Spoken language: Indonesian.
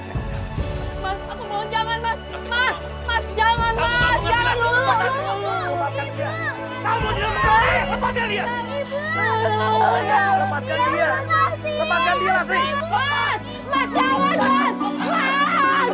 mas aku mau jangan mas mas jangan mas jangan dulu